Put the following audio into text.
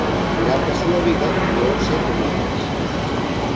Durante a súa vida creou sete murais.